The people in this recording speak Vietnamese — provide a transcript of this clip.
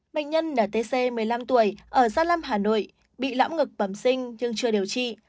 bệnh nhân ntc một mươi năm tuổi ở gia lâm hà nội bị lãm ngực bẩm sinh nhưng chưa điều trị